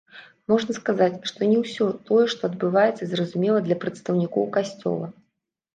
Можна сказаць, што не ўсё тое, што адбываецца, зразумела для прадстаўнікоў касцёла.